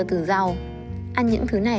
từ rau ăn những thứ này